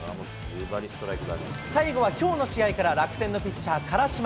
最後はきょうの試合から、楽天のピッチャー、辛島。